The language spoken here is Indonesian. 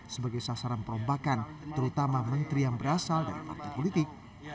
sebagai sasaran perombakan terutama menteri yang berasal dari partai politik